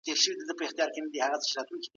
د ملګرو په ټاکلو کې معیارونه ولرئ.